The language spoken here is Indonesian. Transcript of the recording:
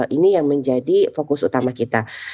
ini yang menjadi fokus utama kita